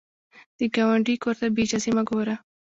د ګاونډي کور ته بې اجازې مه ګوره